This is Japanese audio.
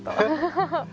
ハハハハ。